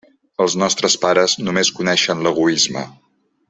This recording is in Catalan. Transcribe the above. Els nostres pares només coneixien l'egoisme.